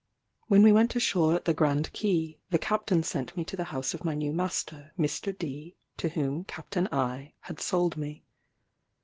When we went ashore at the Grand Quay, the captain sent me to the house of my new master, Mr. D , to whom Captain I had sold me.